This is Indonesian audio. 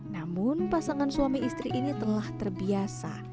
namun pasangan suami istri ini telah terbiasa